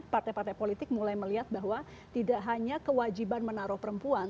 partai partai politik mulai melihat bahwa tidak hanya kewajiban menaruh perempuan